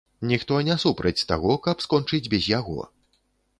Ніхто не супраць таго, каб скончыць без яго.